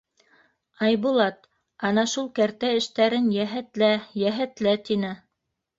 — Айбулат, ана шул кәртә эштәрен йәһәтлә, йәһәтлә, — тине.